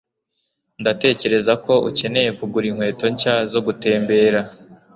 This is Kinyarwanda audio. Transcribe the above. Ndatekereza ko ukeneye kugura inkweto nshya zo gutembera.